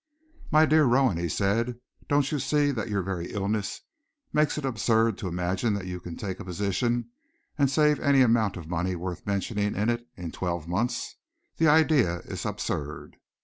"My dear Rowan," he said, "don't you see that your very illness makes it absurd to imagine that you can take a position and save any amount of money worth mentioning in it, in twelve months? The idea is absurd."